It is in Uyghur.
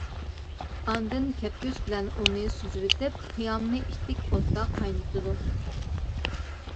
ئاندىن كەپكۈر بىلەن ئۇنى سۈزۈۋېتىپ، قىيامنى ئىتتىك ئوتتا قاينىتىدۇ.